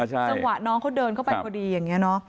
จังหวะน้องเขาเดินเข้าไปพอดีอย่างนี้เนอะ